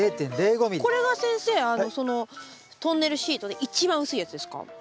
これが先生あのそのトンネルシートで一番薄いやつですか？